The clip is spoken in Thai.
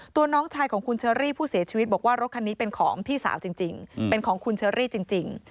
น้องชายของคุณเชอรี่ผู้เสียชีวิตบอกว่ารถคันนี้เป็นของพี่สาวจริงเป็นของคุณเชอรี่จริง